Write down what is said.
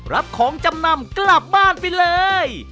รับของจำนำกลับบ้านไปเลย